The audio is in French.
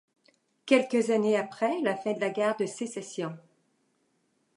Quelques années après la fin de la guerre de Sécession.